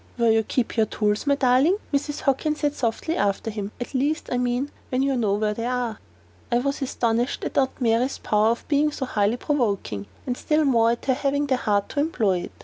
"Where you keep your tools, my darling," Mrs. Hockin said, softly, after him: "at least, I mean, when you know where they are." I was astonished at Aunt Mary's power of being so highly provoking, and still more at her having the heart to employ it.